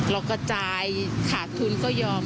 เรากระจายขาดทุนก็ยอม